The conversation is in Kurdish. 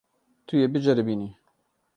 Tu yê biceribînî.